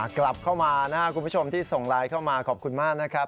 กลับเข้ามานะครับคุณผู้ชมที่ส่งไลน์เข้ามาขอบคุณมากนะครับ